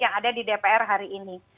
yang ada di dpr hari ini